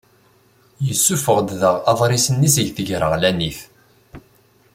Yessuffuɣ-d daɣ aḍris-nni seg tegreɣlanit.